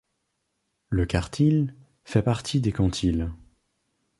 Le quartile fait partie des quantiles.